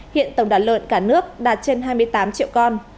hiện tổng đàn lợn cả nước đạt trên hai mươi tám triệu con